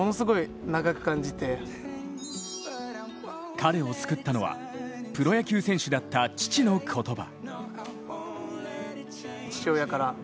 彼を救ったのは、プロ野球選手だった父の言葉。